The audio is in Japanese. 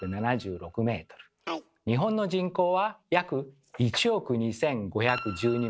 日本の人口は約１億２，５１２万人。